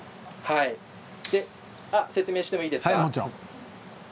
説明してもいいですか？